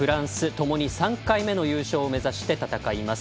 ともに３回目の優勝を目指して戦います。